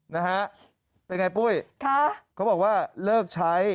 เป็นอย่างไรปุ้ยเขาบอกว่าเลิกใช้